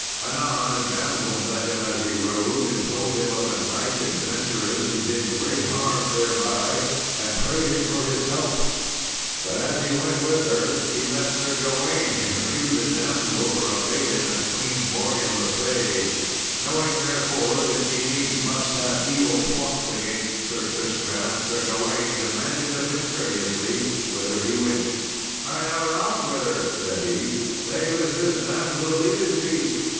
Anon a damsel met him as he rode, and told him of a knight adventurous who did great harm thereby, and prayed him for his help. But as he went with her he met Sir Gawain, who knew the damsel for a maiden of Queen Morgan le Fay. Knowing, therefore, that she needs must have evil plots against Sir Tristram, Sir Gawain demanded of him courteously whither he went. "I know not whither," said he, "save as this damsel leadeth me."